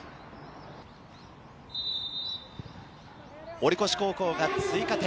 堀越高校が追加点。